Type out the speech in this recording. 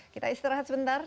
kita istirahat sebentar